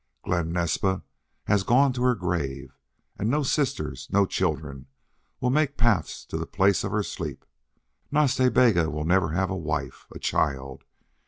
Glen Naspa has gone to her grave, and no sisters, no children, will make paths to the place of her sleep. Nas Ta Bega will never have a wife a child.